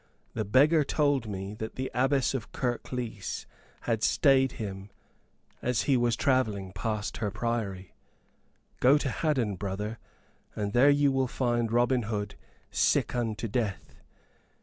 The beggar told me that the Abbess of Kirklees had stayed him as he was travelling past her Priory: 'Go to Haddon, brother, and there you will find Robin Hood sick unto death.